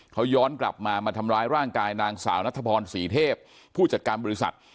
เขาย้อนกลับมามาทำร้ายร่างกายนางสาวนัทพรศรีเทพผู้จัดการบริษัท